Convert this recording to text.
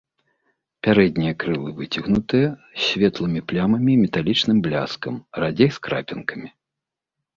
Пярэднія крылы выцягнутыя, з светлымі плямамі і металічным бляскам, радзей з крапінкамі.